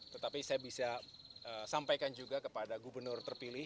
tetapi saya bisa sampaikan juga kepada gubernur terpilih